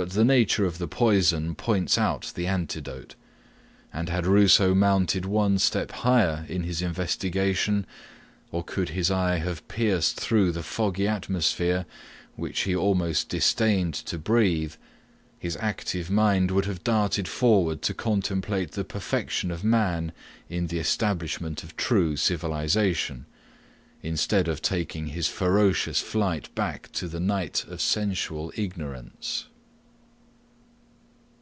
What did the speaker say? But the nature of the poison points out the antidote; and had Rousseau mounted one step higher in his investigation; or could his eye have pierced through the foggy atmosphere, which he almost disdained to breathe, his active mind would have darted forward to contemplate the perfection of man in the establishment of true civilization, instead of taking his ferocious flight back to the night of sensual ignorance.